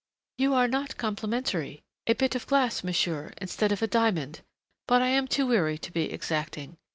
"You are not complimentary a bit of glass, monsieur, instead of a diamond! But I am too weary to be exacting....